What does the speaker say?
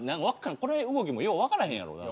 この動きもようわからへんやろ。